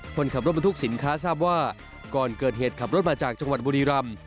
คนขับรถบรรทุกสินค้าทราบว่าก่อนเกิดเหตุขับรถมาจากจังหวัดบุรีรำ